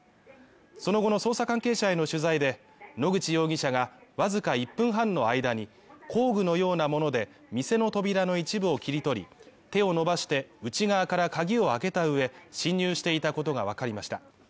その後の捜査関係者への取材で野口容疑者がわずか一分半の間に工具のようなもので、店の扉の一部を切り取り、手を伸ばして、内側から鍵を開けた上、侵入していたことがわかりました。